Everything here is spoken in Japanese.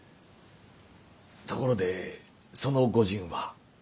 ところでその御仁は？